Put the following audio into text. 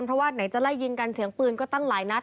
เพราะว่าไหนจะไล่ยิงกันเสียงปืนก็ตั้งหลายนัด